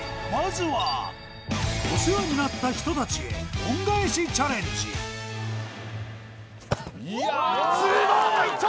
まずはお世話になった人達へすごい！